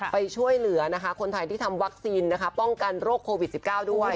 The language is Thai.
ไปช่วยเหลือนะคะคนไทยที่ทำวัคซีนนะคะป้องกันโรคโควิด๑๙ด้วย